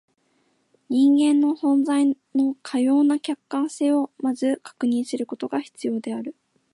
人間の存在のかような客観性を先ず確認することが必要である。